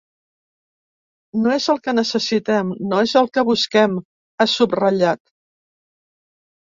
“No és el que necessitem, no és el que busquem”, ha subratllat.